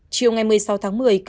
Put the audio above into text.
chiều ngày một mươi sáu tháng một mươi